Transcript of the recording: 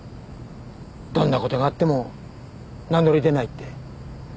どんな事があっても名乗り出ないって。